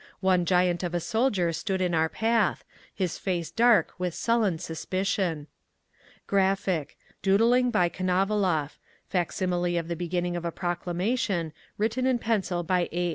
One giant of a soldier stood in our path, his face dark with sullen suspicion. [Graphic, page 104: Doodling by Konavalov, title follows] Facsimile of the beginning of a proclamation, written in pencil by A.